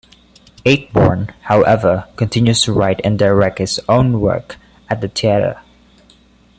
Ayckbourn, however, continues to write and direct his own work at the theatre.